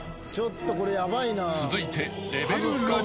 ［続いて］